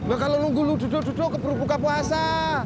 gue akan nunggu lo duduk duduk kebuka puasa